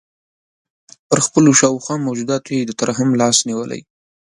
پر خپلو شاوخوا موجوداتو یې د ترحم لاس نیولی.